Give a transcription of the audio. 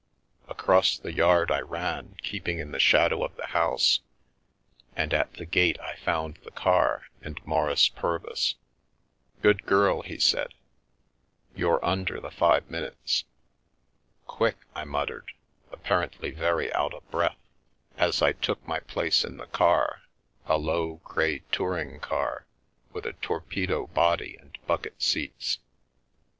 Across the yard I ran, keeping in the shadow of the house, and at the gate I found the car and Maurice Purvis. " Good girl," he said, " you're under the five minutes." "Quick!" I muttered, apparently very out of breath M u The Milky Way as I took my place in the car — a low grey touring car, with a torpedo body and bucket seats.